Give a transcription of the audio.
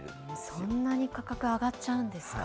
そんなに価格、上がっちゃうんですか？